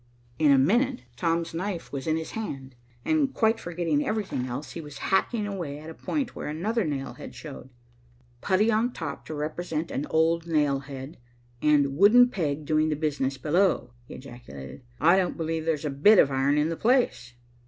In a minute Tom's knife was in his hand, and, quite forgetting everything else, he was hacking away at a point where another nail head showed. "Putty on top to represent an old nail head, and wooden peg doing the business below," he ejaculated. "I don't believe there's a bit of iron in the place."